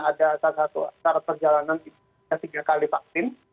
ada satu syarat perjalanan tiga kali vaksin